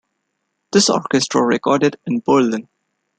This orchestra recorded in Berlin.